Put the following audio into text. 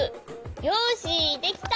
よしできた。